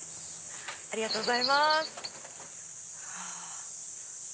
ありがとうございます。